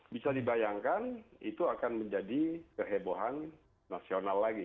bisa dibayangkan itu akan menjadi kehebohan nasional lagi